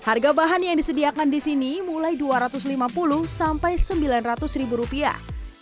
harga bahan yang disediakan di sini mulai dua ratus lima puluh sampai sembilan ratus ribu rupiah